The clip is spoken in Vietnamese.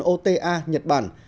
ota nhật bản